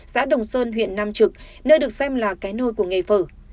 xã đồng sơn huyện nam trực nơi được xem là cái nôi của nghề phở